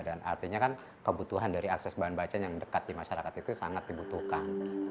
dan artinya kan kebutuhan dari akses bahan baca yang dekat di masyarakat itu sangat dibutuhkan